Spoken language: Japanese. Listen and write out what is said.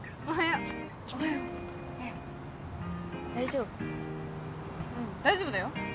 うん大丈夫だよ